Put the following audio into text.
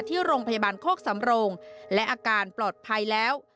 ที่โรงพยาบาลโคกสำโรงและอาการปลอดภัยแล้ว